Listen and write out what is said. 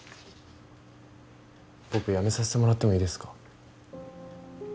僕辞めさせてもらってもいいですか？